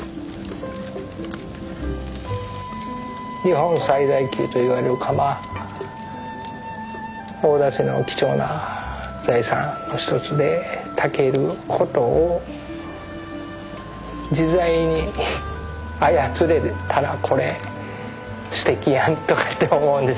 日本最大級といわれる窯大田市の貴重な財産の一つでたけることを自在に操れたらこれすてきやんとかって思うんです